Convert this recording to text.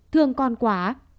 thương con quá